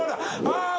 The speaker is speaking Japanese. ああ。